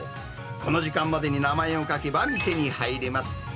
この時間までに名前を書けば店に入れます。